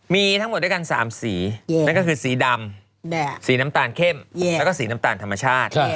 มีทั้งหมดด้วยกัน๓สีนั่นก็คือสีดำสีน้ำตาลเข้มแล้วก็สีน้ำตาลธรรมชาติ